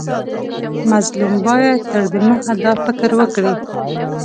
مظلوم باید تر دمخه دا فکر وکړي.